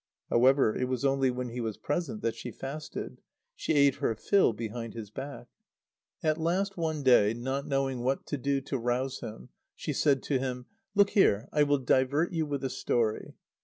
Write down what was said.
However, it was only when he was present that she fasted. She ate her fill behind his back. At last, one day, not knowing what to do to rouse him, she said to him: "Look here! I will divert you with a story."